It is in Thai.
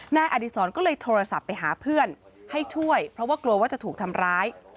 นายอดีศรก็เลยโทรศัพท์ไปหาเพื่อนให้ช่วยเพราะว่ากลัวว่าจะถูกทำร้าย